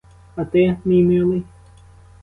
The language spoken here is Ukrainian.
А ти, мій милий?